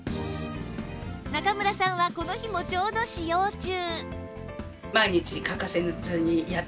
中村さんはこの日もちょうど使用中